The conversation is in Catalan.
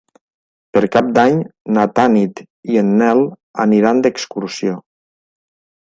Per Cap d'Any na Tanit i en Nel aniran d'excursió.